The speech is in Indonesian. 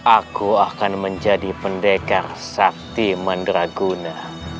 aku akan menjadi pendekar sakti manderaguna